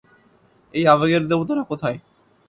এই আবেগের দেবতারা কোথায়?